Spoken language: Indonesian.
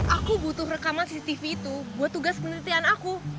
aku butuh rekaman cctv itu buat tugas penelitian aku